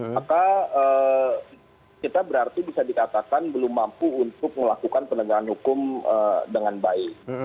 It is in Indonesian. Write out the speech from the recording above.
maka kita berarti bisa dikatakan belum mampu untuk melakukan penegakan hukum dengan baik